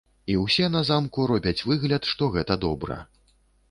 І ўсе на замку робяць выгляд, што гэта добра.